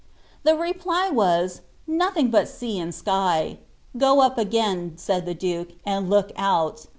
The reply was, Nothing but sea and sky." " Go up again," said the duke, ^ and look out."